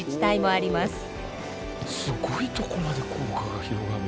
すごいとこまで効果が広がる。